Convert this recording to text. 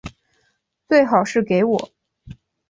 最好是给我